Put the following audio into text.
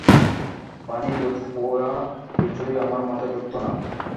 পানি, দুধ, পোয়া কিছুই আমার মাথায় ঢুকত না।